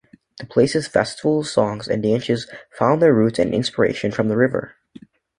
The place's festivals, songs and dances found their roots and inspiration from the river.